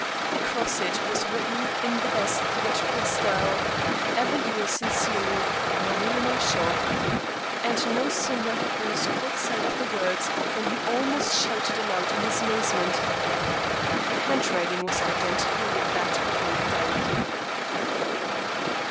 Across it was written, in the best theatrical style, "Ever yours sincerely, Marie le Marchant." And no sooner had Bruce caught sight of the words than he almost shouted aloud in his amazement. The handwriting was identical with that of Lady Dyke.